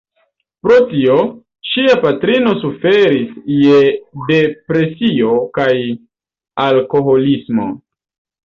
Pro tio, ŝia patrino suferis je depresio kaj alkoholismo.